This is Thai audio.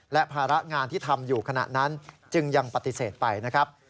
และภาระงานที่ทำอยู่ขณะนั้นจึงยังปฏิเสธไปนะครับ